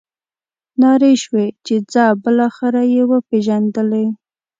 نارې شوې چې ځه بالاخره یې وپېژندلې.